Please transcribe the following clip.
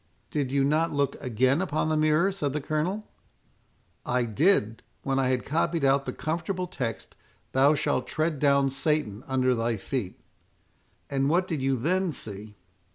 "Did you not look again upon the mirror?" said the Colonel. "I did, when I had copied out the comfortable text, 'Thou shalt tread down Satan under thy feet.'" "And what did you then see?"